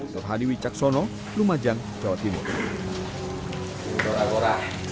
nur hadi wicaksono lumajang jawa timur